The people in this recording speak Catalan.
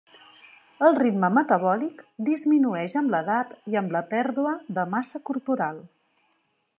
El ritme metabòlic disminueix amb l'edat i amb la pèrdua de massa corporal.